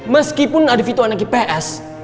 meskipun arief itu anak ips